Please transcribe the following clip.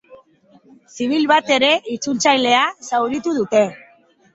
Zibil bat ere, itzultzailea, zauritu dute.